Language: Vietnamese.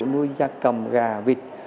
nui da cầm gà vịt